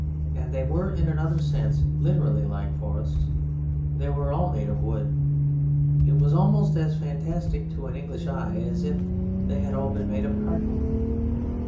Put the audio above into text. And they were, in another sense, literally like forests. They were all made of wood. It was almost as fantastic to an English eye as if they had been all made of cardboard.